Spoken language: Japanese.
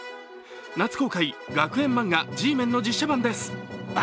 夏公開、学園漫画「Ｇメン」の実写版です。